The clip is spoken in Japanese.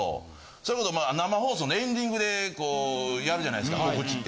それこそまあ生放送のエンディングでこうやるじゃないですか告知って。